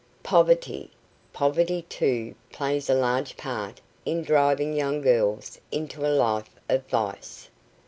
Poverty. Poverty, too, plays a large part in driving young girls into a life of vice.